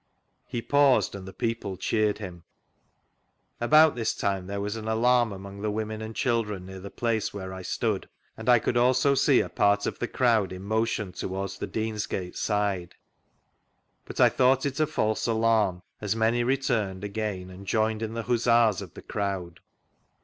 He paused, and the people cheered him. ■V Google MR. SMITH'S NARRATIVE 67 About this time there was an alarm among the women and children near the place where I stood, and i could also see a part of the crowd in motion towards the Deansgate side, but I thought it a false alarm, as many returned again and joined in the huzzas of the crowd.